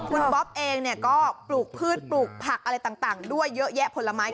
คุณบ๊อบเองก็ปลูกพืชปลูกผักอะไรต่างด้วยเยอะแยะผลไม้